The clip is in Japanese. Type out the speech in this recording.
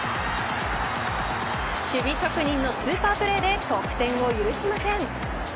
守備職人のスーパープレーで得点を許しません。